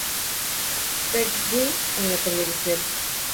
Pertwee en la televisión.